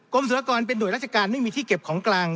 สุรกรเป็นห่วยราชการไม่มีที่เก็บของกลาง